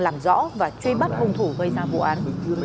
làm rõ và truy bắt hung thủ gây ra vụ án